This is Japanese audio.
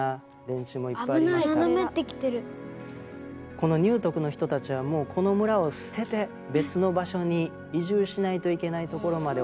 このニュートクの人たちはもうこの村を捨てて別の場所に移住しないといけないところまで追い詰められてるんです。